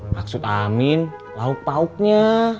maksud amin lauk lauknya